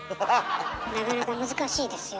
なかなか難しいですよ。